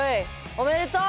おめでとう！